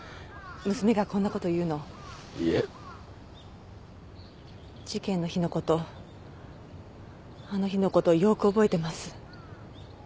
娘がこんなこと言うのいえ事件の日のことあの日のことをよく覚えてます